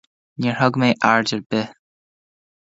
Níor thug mé aird ar bith.